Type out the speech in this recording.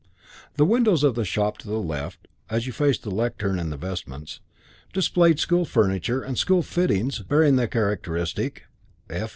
The windows of the shop to the left (as you faced the lectern and the vestments) displayed school furniture and school fittings bearing the characteristic "F.